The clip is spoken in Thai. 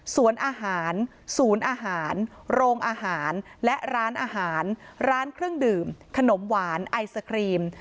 สวนอาหารศูนย์อาหารโรงอาหารและร้านอาหารร้านเครื่องดื่มขนมหวานไอศครีม